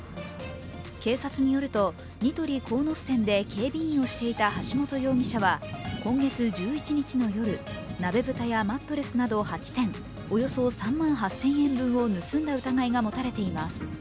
警察によるとニトリ鴻巣店で警備員をしていた橋本容疑者は、今月１１日の夜、鍋蓋やマットレスなど８点、およそ３万８０００円分を盗んだ疑いがもたれています。